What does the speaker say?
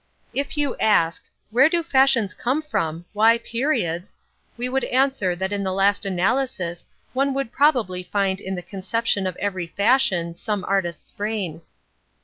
If you ask, "Where do fashions come from, why 'periods'?" we would answer that in the last analysis one would probably find in the conception of every fashion some artist's brain.